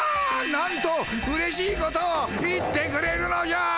なんとうれしいことを言ってくれるのじゃ！